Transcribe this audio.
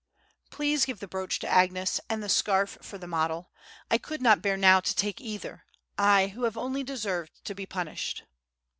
Please give the brooch to Agnes, and the scarf for the model; I could not bear now to take either—I who have only deserved to be punished!"